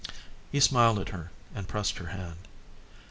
He smiled at her and pressed her hand.